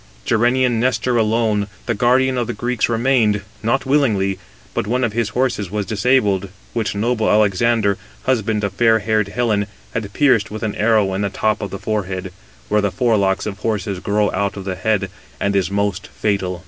Gerenian Nestor alone, the guardian of the Greeks, remained, not willingly, but one of his horses was disabled, which noble Alexander, husband of fair haired Helen, had pierced with an arrow in the top of the forehead, where the forelocks of horses grow out of the head, and is most fatal.